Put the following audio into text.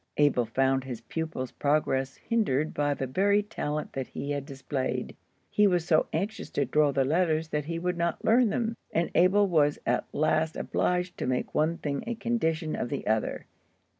Abel found his pupil's progress hindered by the very talent that he had displayed. He was so anxious to draw the letters that he would not learn them, and Abel was at last obliged to make one thing a condition of the other.